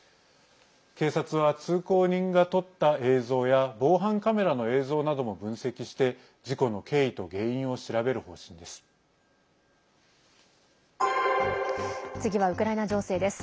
警察は、通行人が撮った映像や防犯カメラの映像なども分析して事故の経緯と原因を調べる方針です。